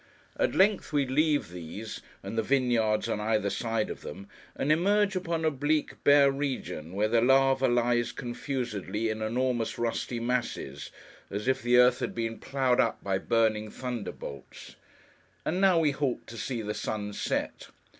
At length, we leave these, and the vineyards on either side of them, and emerge upon a bleak bare region where the lava lies confusedly, in enormous rusty masses; as if the earth had been ploughed up by burning thunderbolts. And now, we halt to see the sun set.